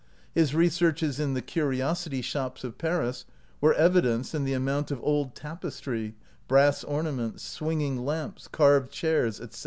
His researches in the curiosity shops of Paris were evidenced in the amount of old tapestry, brass ornaments, swinging lamps, carved chairs, etc.